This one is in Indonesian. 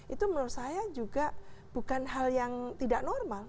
itu menurut saya juga bukan hal yang tidak normal